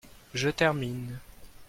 Je termine.